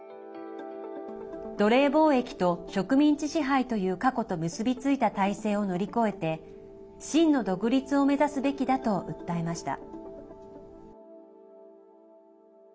奴隷貿易と植民地支配という過去と結び付いた体制を乗り越えて真の独立を目指すべきだと訴えました。